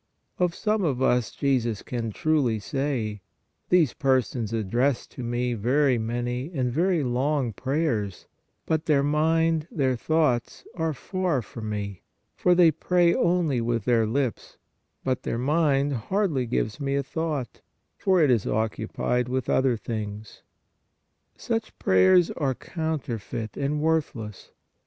Of some of us Jesus can truly say: "These per sons address to Me very many and very long pray ers, but their mind, their thoughts are far from Me, for they pray only with their lips, but their mind hardly gives Me a thought, for it is occupied with other things/ Such prayers are counter feit and worthless.